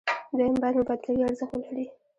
دویم باید مبادلوي ارزښت ولري.